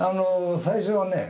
最初はね